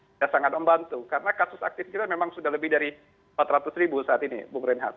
sudah sangat membantu karena kasus aktif kita memang sudah lebih dari empat ratus ribu saat ini bung reinhardt